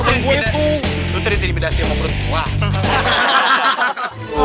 lu terintimidasi sama perempuan